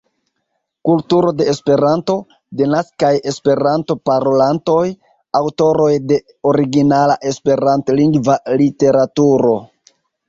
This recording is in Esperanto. Kulturo de Esperanto, Denaskaj Esperanto-parolantoj, Aŭtoroj de originala Esperantlingva literaturo.